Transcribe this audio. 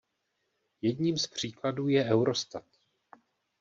Jedním z příkladů je Eurostat.